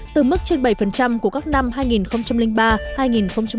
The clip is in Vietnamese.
từ mức trên bảy của các năm hai nghìn ba hai nghìn bốn